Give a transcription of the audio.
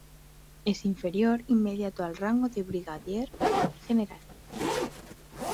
Es inferior inmediato al rango de brigadier general.